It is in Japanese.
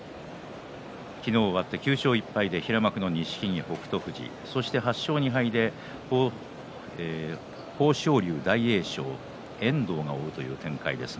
昨日、終わって９勝１敗で平幕の錦木、北勝富士８勝２敗で豊昇龍、大栄翔遠藤が追うという展開です。